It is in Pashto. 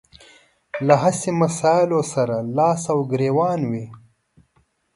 له هسې مسايلو سره لاس او ګرېوان وي.